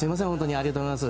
ありがとうございます。